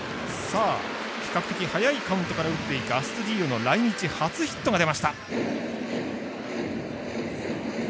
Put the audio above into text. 比較的、早いカウントから打ってくるアストゥディーヨの来日初ヒットが出ました。